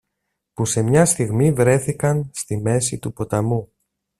που σε μια στιγμή βρέθηκαν στη μέση του ποταμού